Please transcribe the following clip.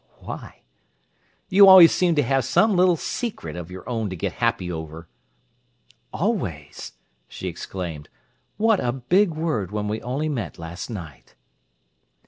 "Why?" "You always seem to have some little secret of your own to get happy over!" "Always!" she exclaimed. "What a big word when we only met last night!"